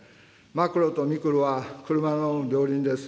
マクロとミクロは車の両輪です。